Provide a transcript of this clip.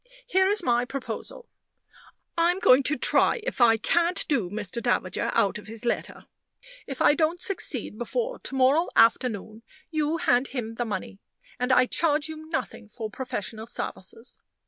Here is my proposal. I'm going to try if I can't do Mr. Davager out of his letter. If I don't succeed before to morrow afternoon, you hand him the money, and I charge you nothing for professional services.